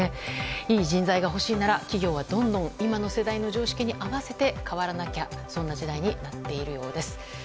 いい人材が欲しいなら企業はどんどん今の世代の常識に合わせて変わらなきゃそんな時代になっているようです。